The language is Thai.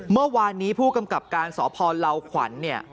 เมื่อวานนี้ผู้กำกับการสพลาวขวัญเนี่ย